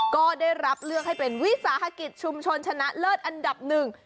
ก็ได้รับเลือกให้เป็นวิสาหกิจชุมชนชนะเลิศอันดับหนึ่ง